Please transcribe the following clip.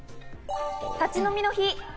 立ち飲みの日。